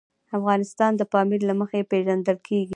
افغانستان د پامیر له مخې پېژندل کېږي.